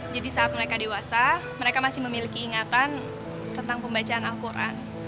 jadi saat mereka dewasa mereka masih memiliki ingatan tentang pembacaan al quran